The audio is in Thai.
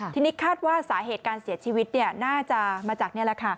ทีนี้คาดว่าสาเหตุการณ์เสียชวิตน่าจะมาจาก